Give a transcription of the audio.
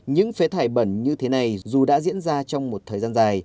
những phế thải bẩn như thế này dù đã diễn ra trong một thời gian dài